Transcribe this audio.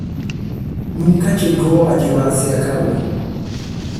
Nunca llegó a llevarse a cabo.